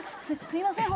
すいません！